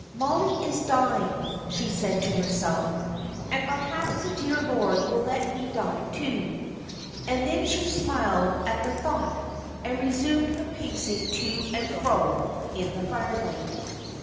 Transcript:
"Mollie is dying," she said to herself, "and perhaps the dear Lord will let me die, too;" and then she smiled at the thought, and resumed her pacing to and fro in the firelight.